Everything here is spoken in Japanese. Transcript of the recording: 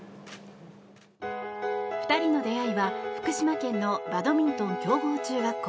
２人の出会いは、福島県のバドミントン強豪中学校。